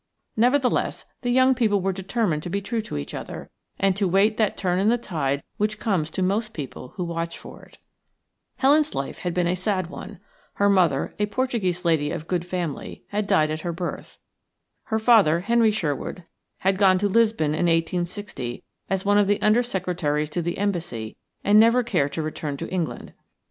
Nevertheless, the young people were determined to be true to each other and to wait that turn in the tide which comes to most people who watch for it. "SHE TREATED HER WITH A RARE WANT OF SYMPATHY." Helen's life had been a sad one. Her mother, a Portuguese lady of good family, had died at her birth; her father, Henry Sherwood, had gone to Lisbon in 1860 as one of the Under Secretaries to the Embassy and never cared to return to England.